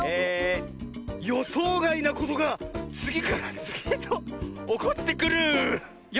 「よそうがいなことがつぎからつぎへとおこってくるよ！」。